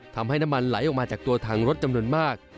ทำให้น้ำมันไหลออกมาจากตัวถังรถจำนวนมาก